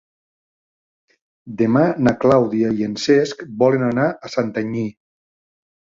Demà na Clàudia i en Cesc volen anar a Santanyí.